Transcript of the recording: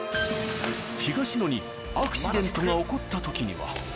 東野にアクシデントが起こったときには。